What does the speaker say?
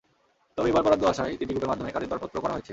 তবে এবার বরাদ্দ আসায় তিনটি গ্রুপের মাধ্যমে কাজের দরপত্র করা হয়েছে।